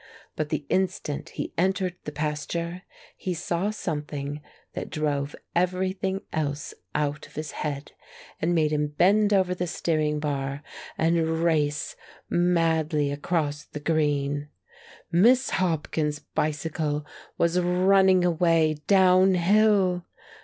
But the instant he entered the pasture he saw something that drove everything else out of his head, and made him bend over the steering bar and race madly across the green; Miss Hopkins's bicycle was running away down hill!